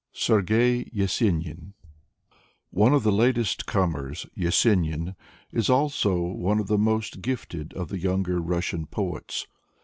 Sergei Yesenin One of the latest comers, Yesenin is also one of the most gifted of the younger Russian poets.